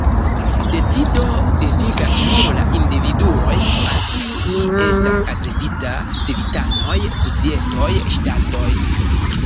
Decido devigas nur la "individuoj", al kiu ĝi estas adresita: civitanoj, societoj, ŝtatoj.